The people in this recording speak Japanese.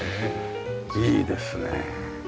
いいですねえ。